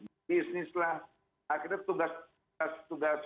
bisnis lah akhirnya tugas